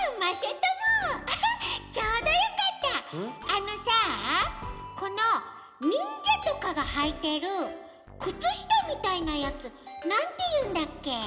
あのさこのにんじゃとかがはいてるくつしたみたいなやつなんていうんだっけ？